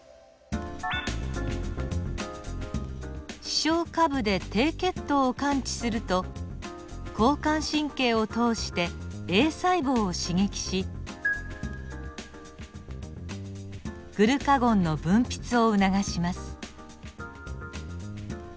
視床下部で低血糖を感知すると交感神経を通してＡ細胞を刺激しグルカゴンの分泌を促します。